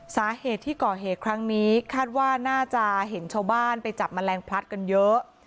สาเหตุที่ก่อเหตุครั้งนี้คาดว่าน่าจะเห็นชาวบ้านไปจับแมลงพลัดกันเยอะ